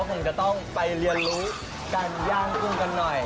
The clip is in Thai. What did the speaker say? คงจะต้องไปเรียนรู้การย่างกุ้งกันหน่อย